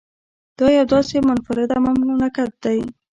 دا یو داسې منفرده مملکت دی